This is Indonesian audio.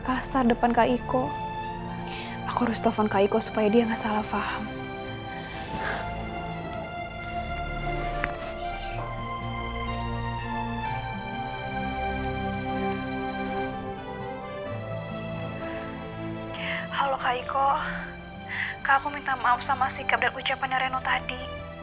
halo kak iko kak aku minta maaf sama sikap dan ucapannya reno tadi